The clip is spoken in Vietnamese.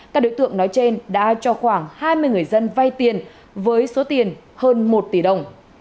các đối tượng nói trên đã cho khoảng hai mươi người dân vay tiền với số tiền hơn một tỷ đồng